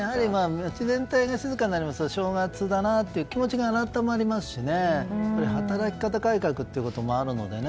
街全体が静かになると正月だなって気持ちが改まりますし働き方改革というのもあるのでね。